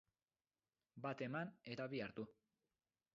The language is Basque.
Bat eman eta bi hartu.